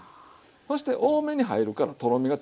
そして多めに入るからとろみがちょっと出ます。